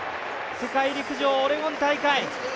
世界陸上オレゴン大会。